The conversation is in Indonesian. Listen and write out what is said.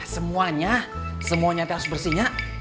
semuanya semuanya harus bersihnya